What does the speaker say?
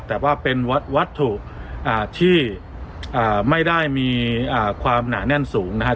แต่ว่าเป็นวัตถุอ่าที่อ่าไม่ได้มีอ่าความหนาแน่นสูงนะคะ